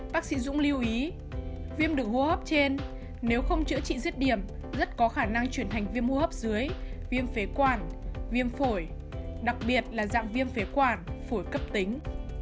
bác sĩ dũng lưu ý viêm đường hô hấp trên nếu không chữa trị giết điểm rất có khả năng chuyển thành viêm hô hấp dưới viêm phế quản viêm phổi đặc biệt là dạng viêm phế quản phổi cấp tính